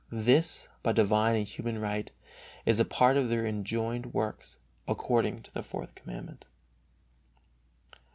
This, by divine and human right, is a part of their enjoined works according to the Fourth Commandment.